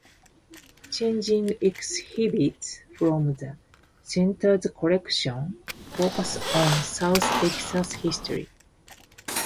Changing exhibits from the Center's collections focus on South Texas history.